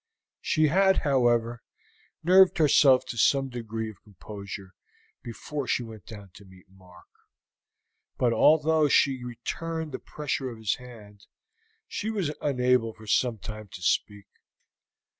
She had, however, nerved herself to some degree of composure before she went down to meet Mark; but although she returned the pressure of his hand, she was unable for some time to speak.